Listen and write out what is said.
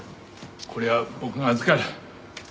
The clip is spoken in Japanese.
これは僕が預かる。